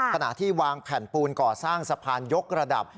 ขณะที่วางแผ่นปูนก่อสร้างสะพานยกระดับ